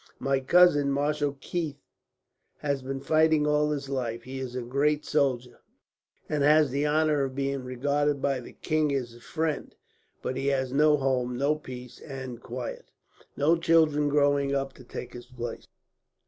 My cousin, Marshal Keith, has been fighting all his life. He is a great soldier, and has the honour of being regarded by the king as his friend; but he has no home, no peace and quiet, no children growing up to take his place.